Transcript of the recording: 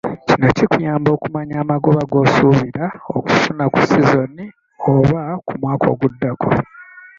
Kino kikuyamba okumanya amagoba g’osuubira okufuna ku sizoni oba ku mwaka oguddako.